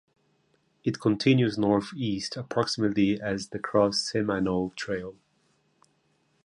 It continues northeast approximately as the Cross Seminole Trail.